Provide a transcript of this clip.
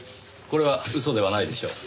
これは嘘ではないでしょう。